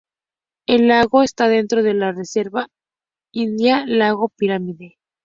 El lago está dentro de la Reserva india Lago Pirámide.